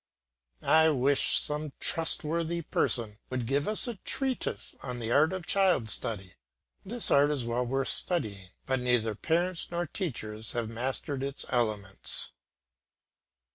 I wish some trustworthy person would give us a treatise on the art of child study. This art is well worth studying, but neither parents nor teachers have mastered its elements.